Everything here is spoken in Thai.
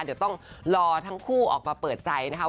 เดี๋ยวต้องรอทั้งคู่ออกมาเปิดใจนะคะ